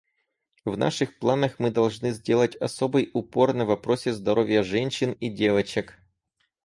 В наших планах мы должны сделать особый упор на вопросе здоровья женщин и девочек.